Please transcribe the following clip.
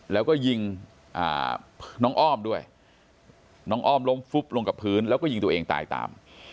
แล้วก็ยิงน้องอ้อมด้วยน้องอ้อมล้มฟุบลงกับพื้นแล้วก็ยิงตัวเองตายตาม